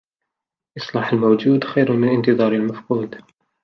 إصلاح الموجود خير من انتظار المفقود